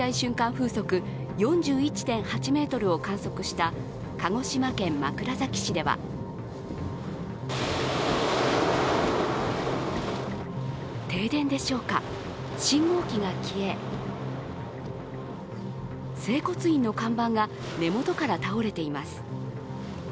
風速４１．８メートルを観測した鹿児島県枕崎市では停電でしょうか、信号機が消え、整骨院の看板が根元から倒れています。